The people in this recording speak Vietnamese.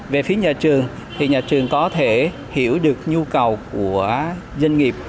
về phía nhà trường thì nhà trường có thể hiểu được nhu cầu của doanh nghiệp